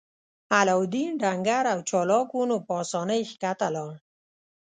علاوالدین ډنګر او چلاک و نو په اسانۍ ښکته لاړ.